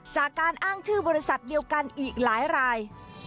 จากการอ้างชื่อบริษัทเดียวกันอีกหลายราย